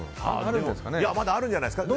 まだあるんじゃないですかね。